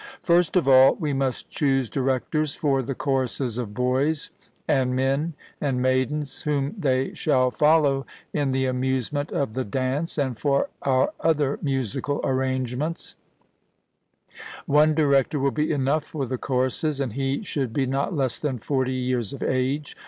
First of all, we must choose directors for the choruses of boys, and men, and maidens, whom they shall follow in the amusement of the dance, and for our other musical arrangements; one director will be enough for the choruses, and he should be not less than forty years of age.